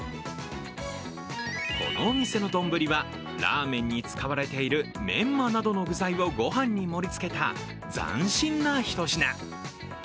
このお店の丼は、ラーメンに使われているメンマなどの具材をご飯に盛りつけた斬新な一品。